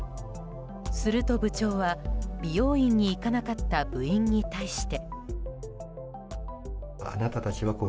すると部長は、美容院に行かなかった部員に対して。